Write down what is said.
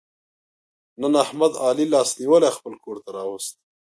نن احمد علي لاس نیولی خپل کورته را وست.